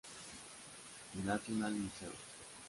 National Museum.